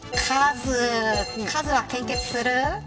カズは献血する。